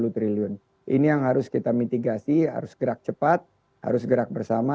dua puluh triliun ini yang harus kita mitigasi harus gerak cepat harus gerak bersama